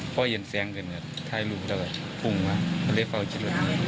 เพราะเย็นแสงเท้าลูกเท่าไหร่พุ่งมามันได้เฝ้าอีกชิ้นเลย